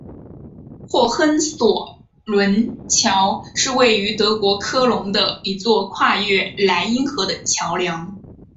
霍亨索伦桥是位于德国科隆的一座跨越莱茵河的桥梁。